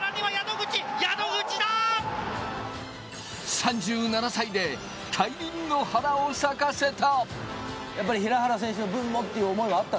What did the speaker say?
３７歳で大輪の花を咲かせた。